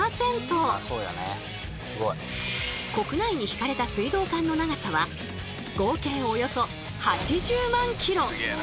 国内に引かれた水道管の長さは合計およそ８０万ｋｍ。